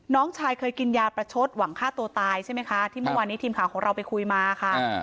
น้องชายเคยกินยาประชดหวังฆ่าตัวตายใช่ไหมคะที่เมื่อวานนี้ทีมข่าวของเราไปคุยมาค่ะ